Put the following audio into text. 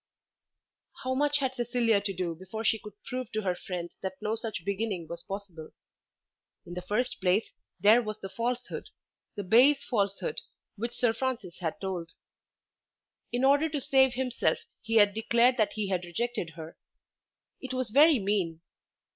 How much had Cecilia to do before she could prove to her friend that no such beginning was possible. In the first place there was the falsehood, the base falsehood, which Sir Francis had told. In order to save himself he had declared that he had rejected her. It was very mean.